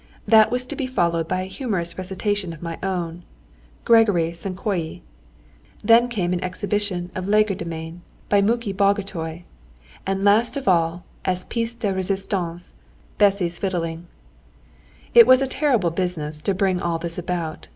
That was to be followed by a humorous recitation of my own: "Gregory Sonkolyi"; then came an exhibition of legerdemain by Muki Bagotay; and last of all, as pièce de résistance, Bessy's fiddling. It was a terrible business to bring all this about.